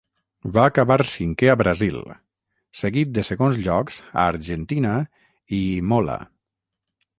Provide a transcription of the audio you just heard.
Va acabar cinquè a Brasil, seguit de segons llocs a Argentina i Imola.